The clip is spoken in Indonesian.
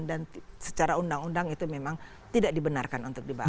dan secara undang undang itu memang tidak dibenarkan untuk dibangun